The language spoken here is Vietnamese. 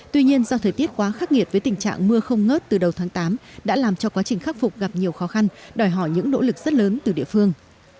tuy nhiên do thời tiết quá khắc nghiệt với tình trạng mưa không ngớt từ đầu tháng tám đã làm cho quá trình khắc phục gặp nhiều khó khăn đòi hỏi những nỗ lực rất lớn từ địa phương